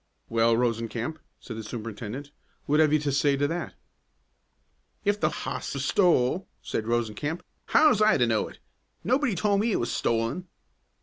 "Well, Rosencamp," said the superintendent, "what have you to say to that?" "If the hoss was stole," said Rosencamp, "how was I to know it? Nobody told me it was stolen."